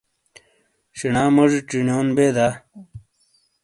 شینا موجی چینیون بے دا؟